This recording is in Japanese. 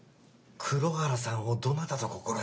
黒原さんをどなたと心得る！